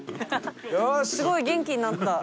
すごい元気になった。